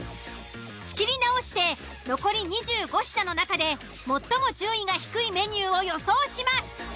仕切り直して残り２５品の中で最も順位が低いメニューを予想します。